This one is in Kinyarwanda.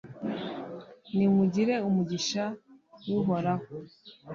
nimugire umugisha w'uhoraho